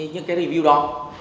những cái review đó